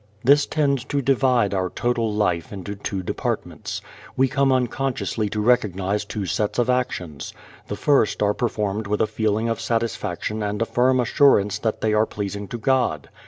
This tends to divide our total life into two departments. We come unconsciously to recognize two sets of actions. The first are performed with a feeling of satisfaction and a firm assurance that they are pleasing to God.